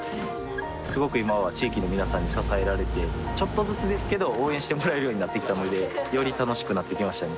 すごく今は地域の皆さんに支えられてちょっとずつですけど応援してもらえるようになってきたのでより楽しくなってきましたね